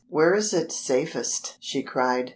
"Where is it safest?" she cried.